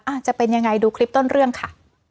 จะเป็นยังไงดูคลิปต้นเรื่องค่ะ